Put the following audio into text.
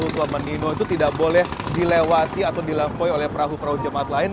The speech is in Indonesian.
tua menino itu tidak boleh dilewati atau dilampaui oleh perahu perahu jemaat lain